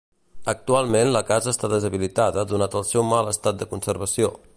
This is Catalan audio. Actualment la casa està deshabitada donat el seu mal estat de conservació.